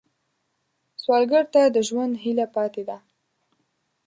سوالګر ته د ژوند هیله پاتې ده